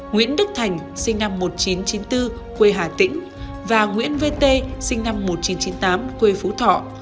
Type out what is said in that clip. nguyễn đức thành sinh năm một nghìn chín trăm chín mươi bốn quê hà tĩnh và nguyễn vt sinh năm một nghìn chín trăm chín mươi tám quê phú thọ